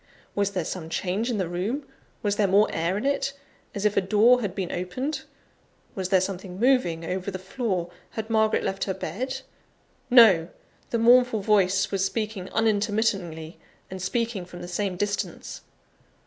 Was there some change in the room? Was there more air in it, as if a door had been opened? Was there something moving over the floor? Had Margaret left her bed? No! the mournful voice was speaking unintermittingly, and speaking from the same distance.